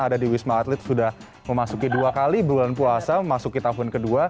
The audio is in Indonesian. ada di wisma atlet sudah memasuki dua kali bulan puasa memasuki tahun kedua